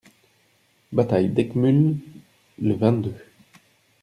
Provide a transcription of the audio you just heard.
Bataille d'Eckmülh, le vingt-deux.